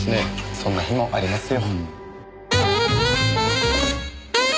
そんな日もありますよ。